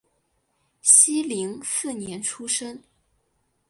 熙宁四年出生。